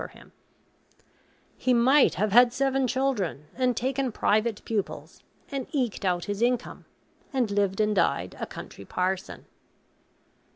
for him): he might have had seven children, and taken private pupils, and eked out his income, and lived and died a country parson.